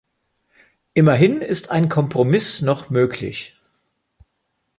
Immerhin ist ein Kompromiss noch möglich.